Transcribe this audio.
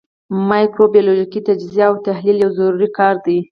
مایکروبیولوژیکي تجزیه او تحلیل یو ضروري کار دی.